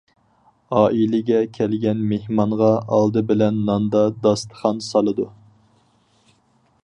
ئائىلىگە كەلگەن مېھمانغا ئالدى بىلەن ناندا داستىخان سالىدۇ.